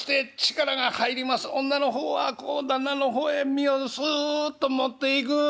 女の方はこう旦那の方へ身をすっと持っていく。